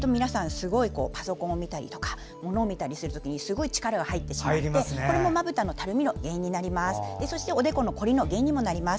すごいパソコンを見たり物を見たりするときに力が入ってしまってまぶたのたるみの原因になります。